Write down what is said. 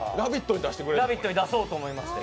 「ラヴィット！」に出そうと思いまして。